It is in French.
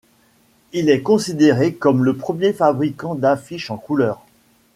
Il est considéré comme le premier fabriquant d'affiches en couleurs.